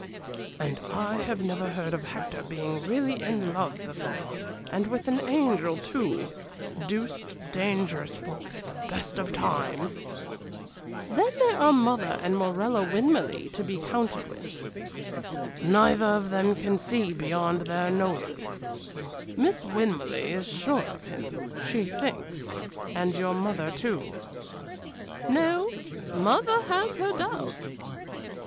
"And I have never heard of Hector being really in love before, and with an angel, too deuced dangerous folk at the best of times!" "Then there are mother and Morella Winmarleigh to be counted with." "Neither of them can see beyond their noses. Miss Winmarleigh is sure of him, she thinks and your mother, too." "No; mother has her doubts."